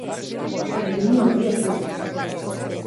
Erritmo handia zuen partidak.